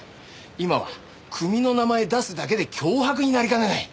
今は組の名前出すだけで脅迫になりかねない。